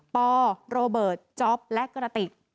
ปโรเบิร์ตจ๊อปและกระติก